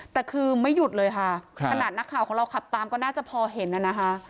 แต่คือไม่หยุดเลยค่ะขนาดนักข่าวของเราขับตามก็น่าจะพอเห็นน่ะนะคะ